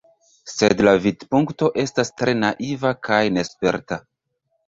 Sed la vidpunkto estas tre naiva kaj nesperta.